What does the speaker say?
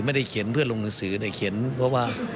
ไม่ได้เขียนเพื่อลงหนังสือแต่เขียนเพราะว่า